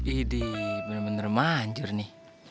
ideh bener bener manjur nih